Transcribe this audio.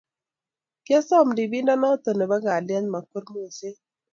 Kiasom ripindet noto nebo kalyet makwer moseet